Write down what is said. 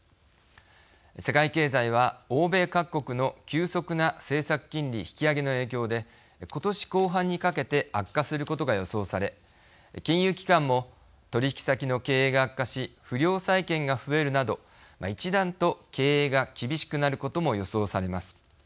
世界経済は欧米各国の急速な政策金利引き上げの影響で今年後半にかけて悪化することが予想され金融機関も取引先の経営が悪化し不良債権が増えるなど一段と経営が厳しくなることも予想されます。